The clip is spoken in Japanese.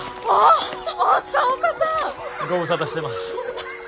ご無沙汰してます。